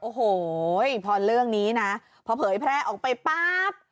โอ้โหพอเรื่องนี้นะพอเผยแพร่ออกไปปั๊บ